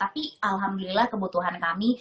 tapi alhamdulillah kebutuhan kami